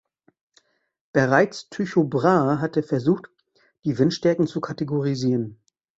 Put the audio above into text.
Bereits Tycho Brahe hatte versucht, die Windstärken zu kategorisieren.